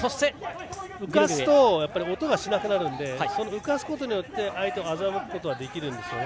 浮かすと音がしなくなるので浮かせることによって相手を欺くことができるんですね。